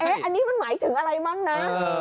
อันนี้มันหมายถึงอะไรมั้งนะ